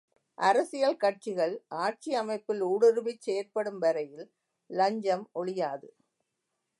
அரசியல் கட்சிகள், ஆட்சியமைப்பில் ஊடுருவிச் செயற்படும் வரையில் லஞ்சம் ஒழியாது.